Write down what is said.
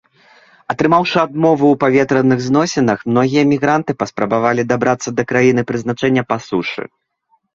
Атрымаўшы адмову ў паветраных зносінах, многія мігранты паспрабавалі дабрацца да краіны прызначэння па сушы.